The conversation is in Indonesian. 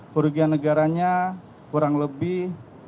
kerugian negaranya kurang lebih